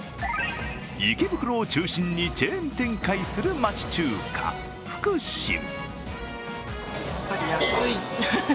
池袋を中心にチェーン店会する町中華、福しん。